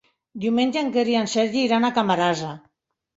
Diumenge en Quer i en Sergi iran a Camarasa.